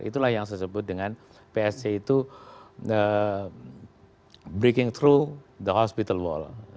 itulah yang saya sebut dengan psc itu breaking through the hospital wall